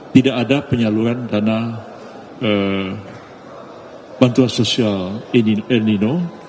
tidak ada penyaluran dana bantuan sosial ilnino